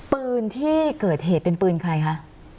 ปืนที่เกิดเหตุเป็นปืนใครคะ